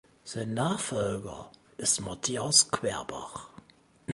Sein Nachfolger ist Matthias Querbach.